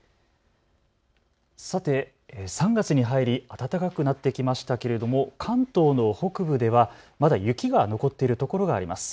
さて、３月に入り暖かくなってきましたけれども関東の北部ではまだ雪が残っている所があります。